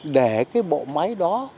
để cái bộ máy đó